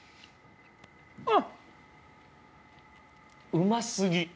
うま過ぎ。